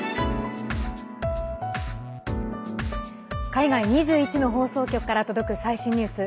海外２１の放送局から届く最新ニュース。